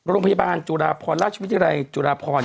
โรงพยาบาลจุฬาพรราชวิทยาลัยจุฬาพร